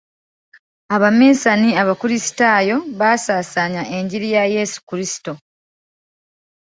Abaminsani abakrisitaayo baasaasaanya engiri ya yesu kristo.